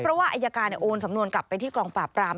เพราะว่าอายการโอนสำนวนกลับไปที่กองปราบปราม